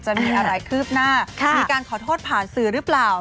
จะมีอะไรคืบหน้ามีการขอโทษผ่านสื่อหรือเปล่า